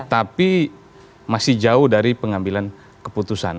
tapi masih jauh dari pengambilan keputusan